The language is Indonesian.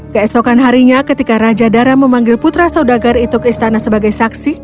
keesokan harinya ketika raja dara memanggil putra saudagar itu ke istana sebagai saksi